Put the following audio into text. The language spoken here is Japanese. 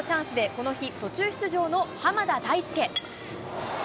この日、途中出場の浜田大輔。